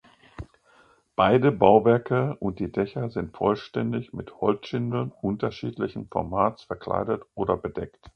Beide Bauwerke und die Dächer sind vollständig mit Holzschindeln unterschiedlichen Formats verkleidet oder bedeckt.